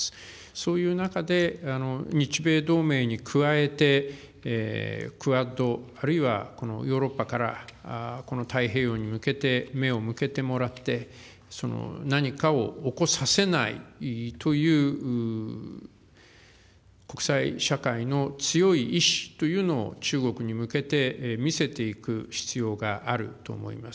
そういう中で、日米同盟に加えて、クアッド、あるいは、ヨーロッパからこの太平洋に向けて目を向けてもらって、何かを起こさせないという国際社会の強い意思というのを、中国に向けて見せていく必要があると思います。